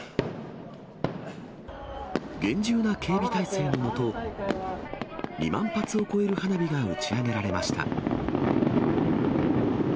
厳重な警備体制の下、２万発を超える花火が打ち上げられました。